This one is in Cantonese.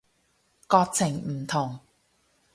國情唔同